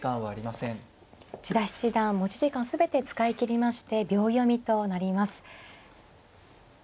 千田七段持ち時間全て使いきりまして秒読みとなります。